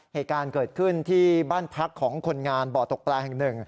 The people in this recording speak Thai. เหตุการณ์เกิดขึ้นที่บ้านพักของคนงานบ่อตกปลาแห่งหนึ่ง